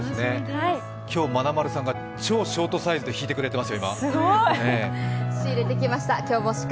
今日、まなまるさんが超ショートサイズで弾いてくれています